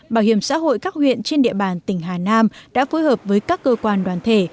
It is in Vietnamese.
bảo hiểm xã hội các huyện trên địa bàn tỉnh hà nam đã phối hợp với các cơ quan đoàn thể